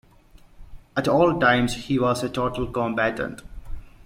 At all times he was a total combatant.